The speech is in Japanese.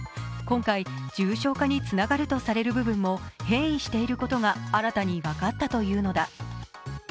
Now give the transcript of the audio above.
今回、重症化につながるとされる部分も変異していることが新たに分かったというのだ。